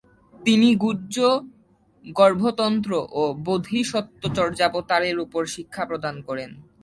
তিনি গুহ্যগর্ভতন্ত্র ও বোধিসত্ত্বচর্যাবতারের ওপর শিক্ষা প্রদান করেন।